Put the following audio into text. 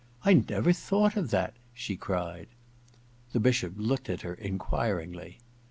* I never thought of that !* she cried. The Bishop looked at her enquiringly.